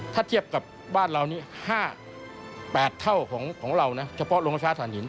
ถ้าเทียบกับบ้านเรานี้๕๘เท่าของเรานะเฉพาะโรงไฟฟ้าฐานหิน